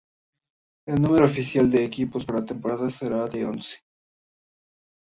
El número oficial de equipos para la temporada será de once.